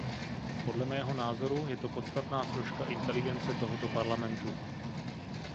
Podle mého názoru je to podstatná složka inteligence tohoto Parlamentu.